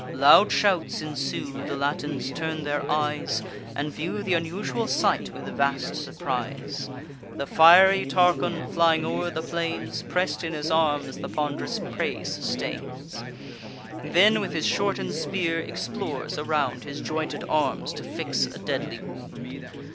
Loud shouts ensue; the Latins turn their eyes, And view th' unusual sight with vast surprise. The fiery Tarchon, flying o'er the plains, Press'd in his arms the pond'rous prey sustains; Then, with his shorten'd spear, explores around His jointed arms, to fix a deadly wound.